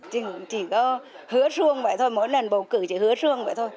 chỉ có hứa xuông vậy thôi mỗi lần bầu cử chỉ hứa xuông vậy thôi